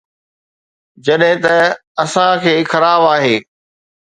جڏهن ته اسان کي خراب آهي